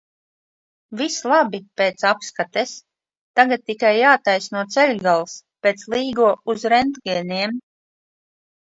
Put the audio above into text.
Viss labi pēc apskates, tagad tikai jātaisno ceļgals, pēc Līgo uz rentgeniem.